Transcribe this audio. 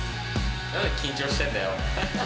なに、緊張してんだよ。